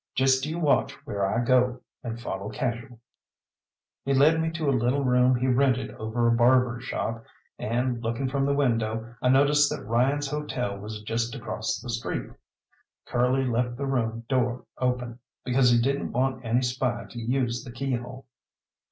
Just you watch where I go, and follow casual." He led me to a little room he rented over a barber's shop, and looking from the window I noticed that Ryan's hotel was just across the street. Curly left the room door open, because he didn't want any spy to use the keyhole.